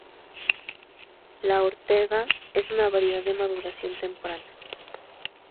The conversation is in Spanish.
La ortega es una variedad de maduración temprana.